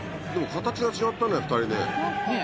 でも形が違ったね２人ね。